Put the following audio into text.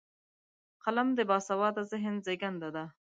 قلم د باسواده ذهن زیږنده ده